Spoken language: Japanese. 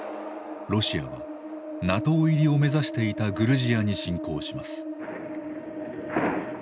ロシアはＮＡＴＯ入りを目指していたグルジアに侵攻します。